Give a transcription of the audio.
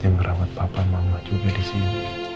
saya merawat papa mama juga di sini